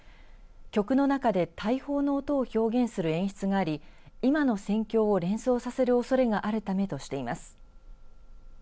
曲の中で大砲の音を表現する演出があり今の戦況を連想させるおそれがあるためとしています。